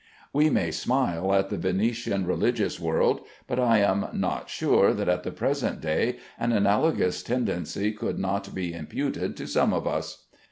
We may smile at the Venetian religious world, but I am not sure that at the present day an analogous tendency could not be imputed to some of us.